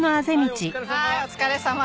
はいお疲れさま。